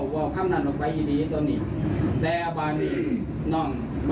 ว่ามาในเดือนนี้จะได้ง่วงค์